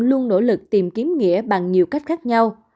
luôn nỗ lực tìm kiếm nghĩa bằng nhiều cách khác nhau